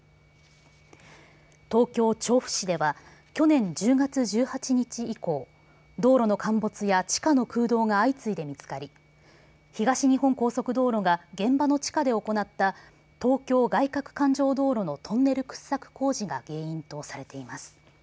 東京・調布市では去年１０月１８日以降道路の陥没や地下の空洞が相次いで見つかり東日本高速道路が現場の地下で行った東京外かく環状道路のトンネル掘削工事が原因とされています。